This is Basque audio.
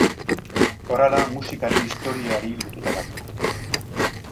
Korala musikaren historiari lotuta dago.